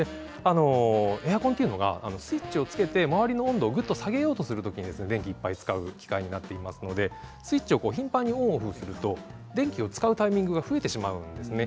エアコンというのはスイッチをつけて周りの温度をぐっと下げようとするときに電気をいっぱい使う機械になっていますのでスイッチを頻繁にオンオフすると電気を使うタイミングが増えてしまうんですね。